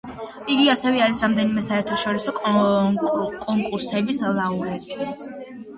იგი ასევე არის რამდენიმე საერთაშორისო კონკურსების ლაურეატი.